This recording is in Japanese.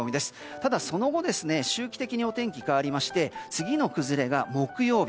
ただ、その後周期的にお天気変わりまして次の崩れが木曜日。